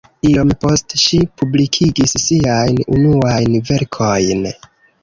Iom poste ŝi publikigis siajn unuajn verkojn.